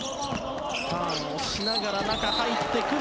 ターンをしながら中に入ってくる。